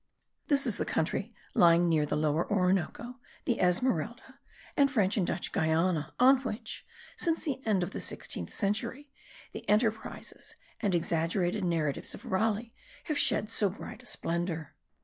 This is the country lying near the Lower Orinoco, the Esmeralda, and French and Dutch Guiana, on which, since the end of the sixteenth century, the enterprises and exaggerated narratives of Raleigh have shed so bright a splendour.